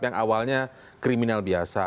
yang awalnya kriminal biasa